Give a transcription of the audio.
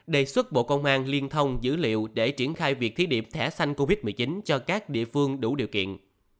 đề xuất bộ công an liên thông dữ liệu để triển khai việc thí điểm thẻ xanh covid một mươi chín cho các địa phương đủ điều kiện